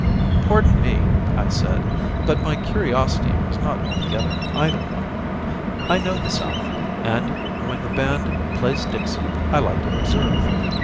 "Pardon me," I said, "but my curiosity was not altogether an idle one. I know the South, and when the band plays 'Dixie' I like to observe.